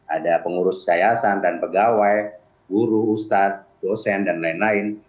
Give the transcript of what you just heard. ada pengurus yayasan dan pegawai guru ustadz dosen dan lain lain